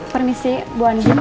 permisi bu andi